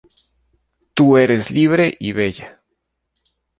Tú eres libre y bella.